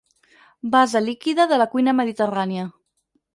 Base líquida de la cuina mediterrània.